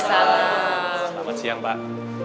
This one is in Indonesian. selamat siang pak